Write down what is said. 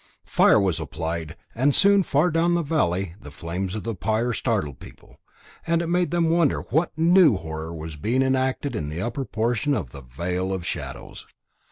Fire was applied, and soon far down the valley the flames of the pyre startled people, and made them wonder what new horror was being enacted in the upper portion of the Vale of Shadows.